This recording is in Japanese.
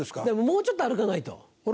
もうちょっと歩かないと。